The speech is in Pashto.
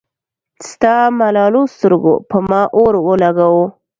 ستا ملالو سترګو پۀ ما اور اولګوو